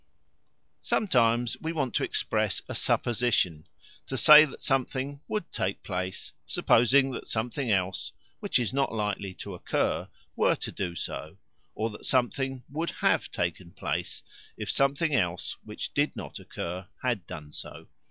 Sometimes we want to express a "supposition", to say that something "would" take place, supposing that something else, which is not likely to occur, were to do so, or that something "would have" taken place if something else which did not occur had done so.